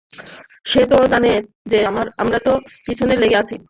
সে তো জানে যে আমরা তার পিছনে লেগে আছি।